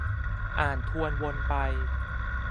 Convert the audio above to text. อ่านทวนวนไป